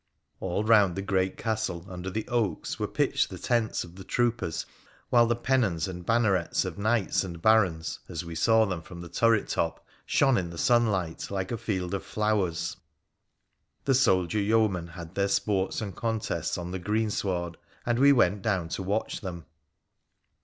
All round the great castle, under the oaks, were pitched the tents of the troopers, while the pennons and bannerets of knights and barons, as we saw them from the turret top, shone in the sun light like a field of flowers. The soldier yeomen had their sports and contests on the greensward, and we went down to watch them.